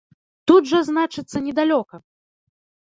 Тут жа, значыцца, недалёка.